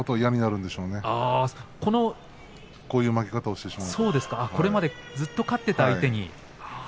そうですか、これまでずっと勝っていた相手に。